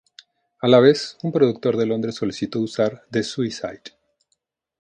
A la vez, un productor de Londres solicitó usar "The Suicide?